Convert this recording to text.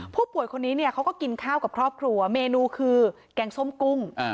ผู้ป่วยคนนี้เนี่ยเขาก็กินข้าวกับครอบครัวเมนูคือแกงส้มกุ้ง